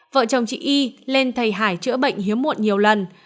vợ chồng chị y lên thầy hải chữa bệnh hiếm muộn nhiều lần